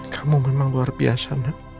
kamu memang luar biasa